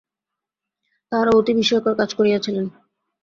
তাঁহারা অতি বিস্ময়কর কাজ করিয়াছিলেন।